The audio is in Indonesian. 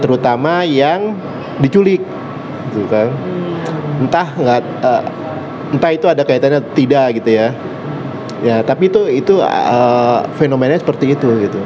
terutama yang diculik entah itu ada kaitannya atau tidak tapi itu fenomennya seperti itu